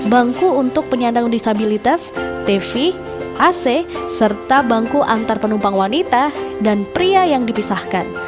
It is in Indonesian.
bangku untuk penyandang disabilitas tv ac serta bangku antar penumpang wanita dan pria yang dipisahkan